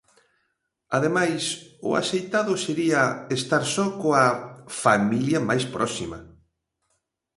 Ademais, o axeitado sería estar só coa "familia máis próxima".